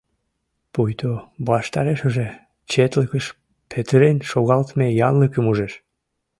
Пуйто ваштарешыже четлыкыш петырен шогалтыме янлыкым ужеш.